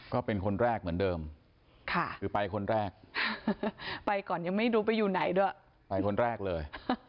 ก็เป็นคนแรกเหมือนเดิมค่ะคือไปคนแรกไปก่อนยังไม่รู้ไปอยู่ไหนด้วยไปคนแรกเลย